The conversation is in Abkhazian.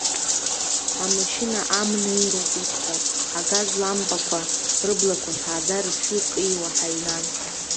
Амашьына амнеироуп ибҳәо, агаз лампақәа, рыблақәа ҭааӡа, рыфҩы ҟиуа ҳаҩнан.